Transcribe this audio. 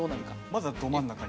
まずはど真ん中に。